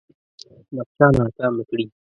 نقشه ناکامه کړي.